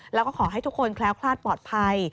แล้วก็ขอให้ทุกคนแคล้วคลาดปลอดภัย